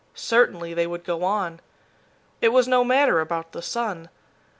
Certainly they would go on. It was no matter about the sun.